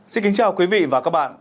xin kính chào quý vị và các bạn